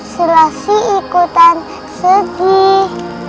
selasi ikutan sedih